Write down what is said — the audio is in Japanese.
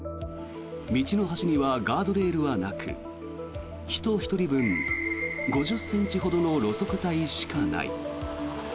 道の端にはガードレールはなく人１人分５０ｃｍほどの路側帯しかない。